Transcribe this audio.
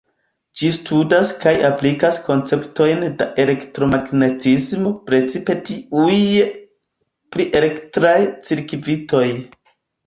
Ĝi studas kaj aplikas konceptojn de elektromagnetismo, precipe tiuj pri elektraj cirkvitoj.